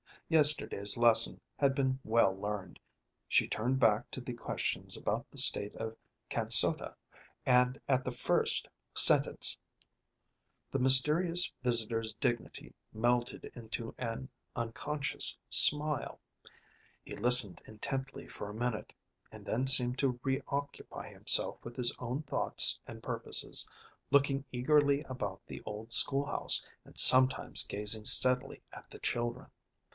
Yesterday's lesson had been well learned; she turned back to the questions about the State of Kansota, and at the first sentence the mysterious visitor's dignity melted into an unconscious smile. He listened intently for a minute, and then seemed to reoccupy himself with his own thoughts and purposes, looking eagerly about the old school house, and sometimes gazing steadily at the children.